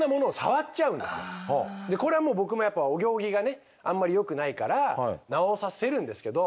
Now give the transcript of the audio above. これはもう僕もやっぱお行儀がねあんまりよくないから直させるんですけど。